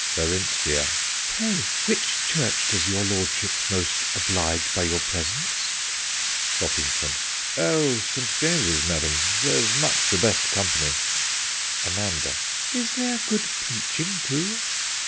BERINTHIA. Pray which church does your lordship most oblige by your presence ? FOPPINGTON. Oh, St. James's, madam : there 's much the best company. AMANDA. Is there good preaching too